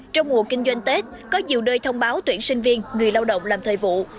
trong mùa kinh doanh tết có nhiều nơi thông báo tuyển sinh viên người lao động làm thời vụ